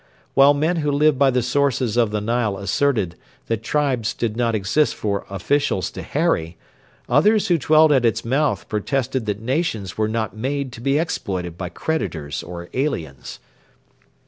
While men who lived by the sources of the Nile asserted that tribes did not exist for officials to harry, others who dwelt at its mouth protested that nations were not made to be exploited by creditors or aliens.